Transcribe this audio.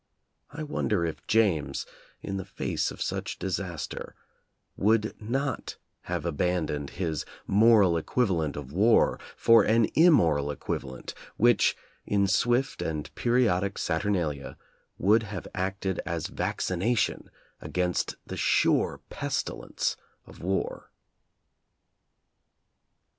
I wonder if James, in the face of such disaster, would not have abandoned his "moral equivalent of war" for an "immoral equivalent" which, in swift and periodic saturnalia, would have acted as vaccination aginst the sure pestilence of war.